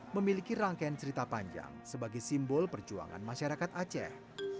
memiliki rangkaian cerita panjang sebagai simbol perjuangan masyarakat aceh